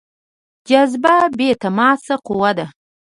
جاذبه بې تماس قوه ده.